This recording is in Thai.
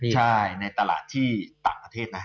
ใช่ในตลาดที่ต่างประเทศนะ